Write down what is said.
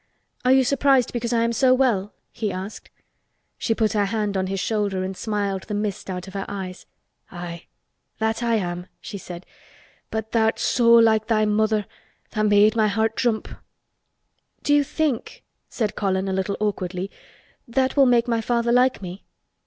"Are you surprised because I am so well?" he asked. She put her hand on his shoulder and smiled the mist out of her eyes. "Aye, that I am!" she said; "but tha'rt so like thy mother tha' made my heart jump." "Do you think," said Colin a little awkwardly, "that will make my father like me?"